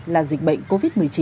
là dịch bệnh covid một mươi chín